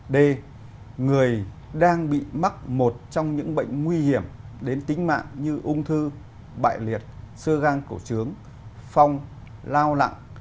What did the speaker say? d người đang bị mắc một trong những bệnh nguy hiểm đến tính mạng như ung thư bại liệt sơ gan cổ trướng phong lao lặng